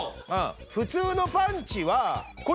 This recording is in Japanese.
普通のパンチは。